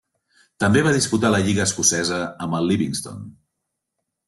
També va disputar la lliga escocesa amb el Livingston.